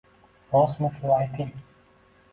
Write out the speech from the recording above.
Rostmi shu, ayting?!